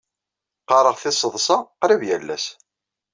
Qqareɣ tiseḍsa qrib yal ass.